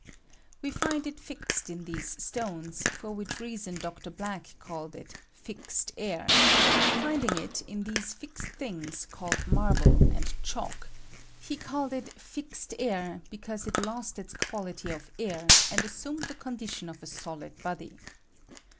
We find it fixed in these stones, for which reason Dr. Black c&lled it "fixed air" — finding it in these fixed things lite marble and chalk — he called it fixed air be cause it lost its quality of air, and assumed the condition of a solid body.